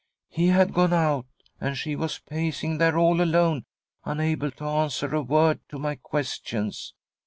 He had gone out, and she was pacing there all alone, unable to answer a word to my questions.